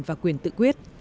và quyền tự quyết